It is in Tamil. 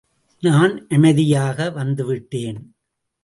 நான் அமைதியாக வந்துவிட்டேன்.